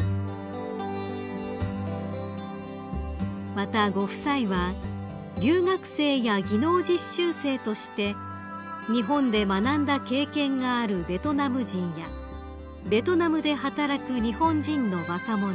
［またご夫妻は留学生や技能実習生として日本で学んだ経験があるベトナム人やベトナムで働く日本人の若者